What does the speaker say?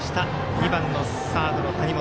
２番のサードの谷本。